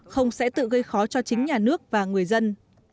không sẽ tự gây khó cho chính nhà nước và người dân